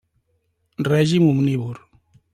Règim omnívor.